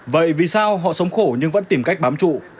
vậy vì sao họ sống khổ nhưng vẫn tìm cách bám trụ